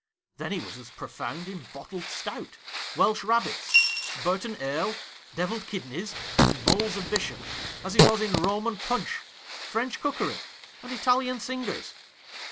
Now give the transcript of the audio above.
Then he was as profound in bottled stout, Welsh rabbits, Burton ale, devilled kidneys, and bowls of Bishop, as he was in Roman punch, French cookery, and Italian singers.